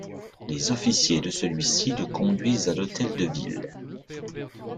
Les officiers de celui-ci le conduisent à l'hôtel de ville.